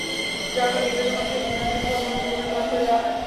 যার ফলে নির্বাচন কমিশনের সিদ্ধান্ত নিয়ে ভোটগ্রহণ পুরোপুরি বন্ধ করে দেওয়া হয়।